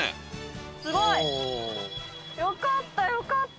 すごい！よかったよかった！